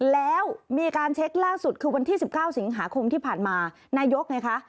แล้วมีการเช็คล่าสุดคือวันที่๑๙สิงหาคมที่ผ่านมานายกไงคะ